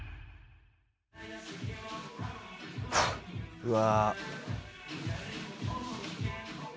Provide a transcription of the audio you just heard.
うわ。